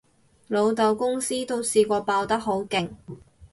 老豆公司都試過爆得好勁